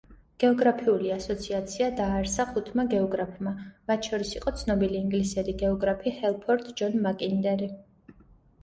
გეოგრაფიული ასოციაცია დააარსა ხუთმა გეოგრაფმა, მათ შორის იყო ცნობილი ინგლისელი გეოგრაფი ჰელფორდ ჯონ მაკინდერი.